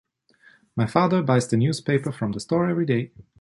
My father buys the newspaper from the store everyday.